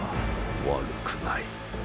悪くない。